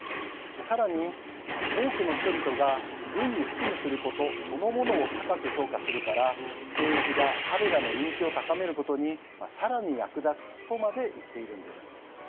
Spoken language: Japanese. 更に多くの人々が軍に服務することそのものを高く評価するから兵役が彼らの人気を高まることに更に役立つとまで言っているんです。